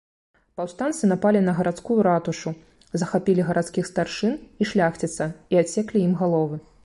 Паўстанцы напалі на гарадскую ратушу, захапілі гарадскіх старшын і шляхціца і адсеклі ім галовы.